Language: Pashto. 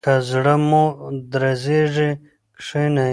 که زړه مو درزیږي کښینئ.